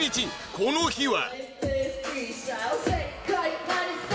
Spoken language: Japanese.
この日は